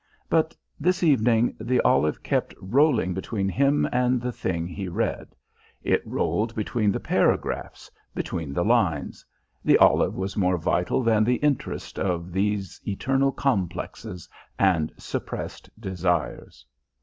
But this evening the olive kept rolling between him and the thing he read; it rolled between the paragraphs, between the lines; the olive was more vital than the interest of these eternal "complexes" and "suppressed desires."